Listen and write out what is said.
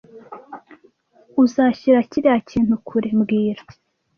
Uzashyira kiriya kintu kure mbwira